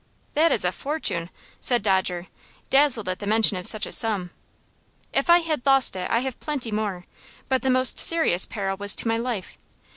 "That is a fortune," said Dodger, dazzled at the mention of such a sum. "If I had lost it, I have plenty more, but the most serious peril was to my life.